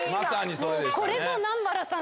これぞ南原さん！